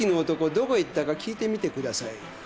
どこへ行ったか聞いてみてください。